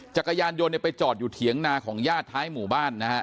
จักรยานยนต์เนี่ยไปจอดอยู่เถียงนาของญาติท้ายหมู่บ้านนะฮะ